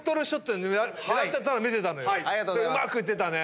うまく打てたね。